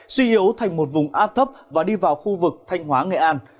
suy yếu thành một vùng áp thấp và đi vào khu vực thanh hóa nghệ an